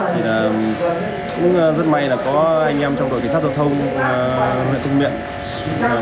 thì cũng rất may là có anh em trong đội cảnh sát giao thông huyện tân miện